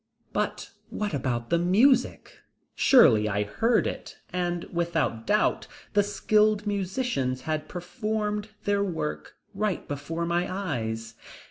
But what about the music? Surely I heard it, and without doubt the skilled musicians had performed their work right before my eyes.